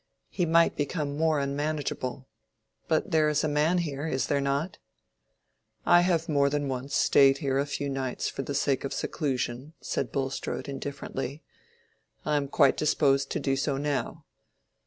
He might become more unmanageable. But there is a man here—is there not?" "I have more than once stayed here a few nights for the sake of seclusion," said Bulstrode, indifferently; "I am quite disposed to do so now.